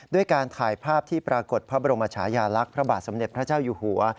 ด้วยการถ่ายภาพที่ปรากฏพระบรมชายาลักษณ์พระบาทสมเด็จพระเจ้าอยู่หัว